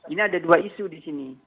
ini ada dua isu di sini